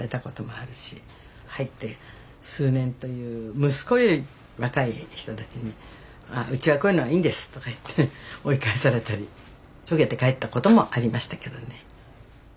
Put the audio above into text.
入って数年という息子より若い人たちに「うちはこういうのはいいんです」とか言って追い返されたりしょげて帰ったこともありましたけどね。